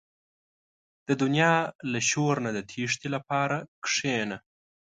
• د دنیا له شور نه د تیښتې لپاره کښېنه.